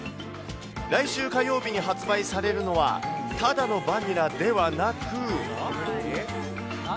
来週火曜日に発売されるのは、ただのバニラではなく。